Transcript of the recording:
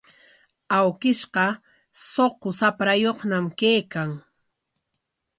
Awkishqa suqu shaprayuqñam kaykan.